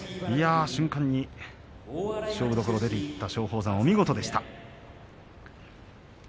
勝負どころ、出ていった松鳳山お見事でした。